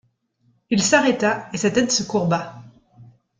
Il s'arrêta et sa tête se courba.